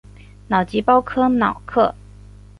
瑙吉鲍科瑙克。